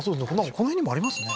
この辺にもありますね